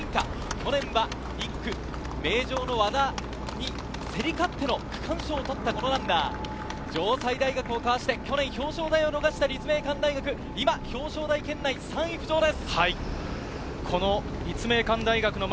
去年は１区、名城の和田に競り勝っての区間賞を取った城西大をかわして去年、表彰台を逃した立命館大学が３位圏内に浮上です。